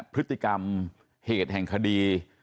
พฤติกรรมเหตุแห่งคดี